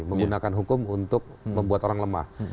menggunakan hukum untuk membuat orang lemah